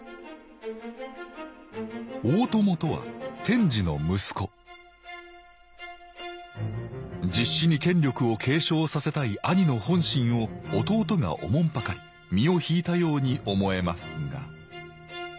大友とは天智の息子実子に権力を継承させたい兄の本心を弟がおもんぱかり身を引いたように思えますが。